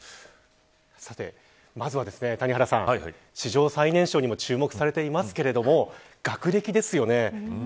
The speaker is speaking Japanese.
まずは谷原さん史上最年少にも注目されていますが学歴です。